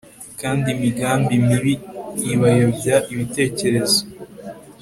kandi imigambi mibi ibayobya ibitekerezo